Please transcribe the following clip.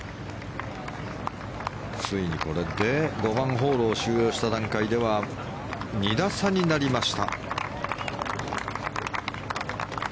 ついにこれで５番ホールを終了した段階では２打差になりました。